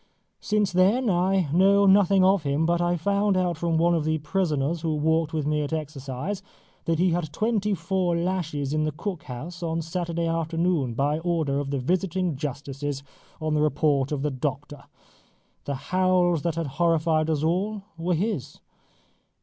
Since then I know nothing of him, but I found out from one of the prisoners who walked with me at exercise that he had had twenty four lashes in the cook house on Saturday afternoon, by order of the visiting justices on the report of the doctor. The howls that had horrified us all were his.